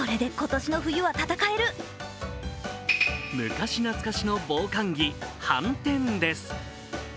昔懐かしの防寒着・はんてんです